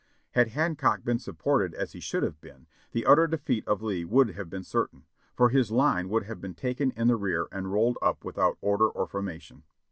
Had Hancock been supported as he should have been, the utter defeat of Lee would have been certain; for his line would have been taken in the rear and rolled up without order or formation.